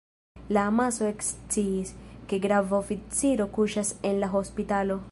La amaso eksciis, ke grava oficiro kuŝas en la hospitalo.